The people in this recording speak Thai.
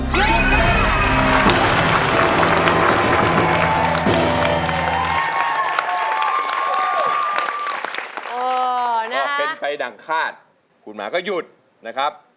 พอเป็นไปดังคาดคุณหมาก็หยุดนะครับ